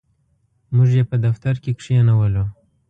موږ یې په دفتر کې کښېنولو.